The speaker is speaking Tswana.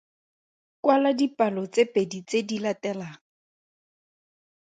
Kwala dipalo tse pedi tse di latelang.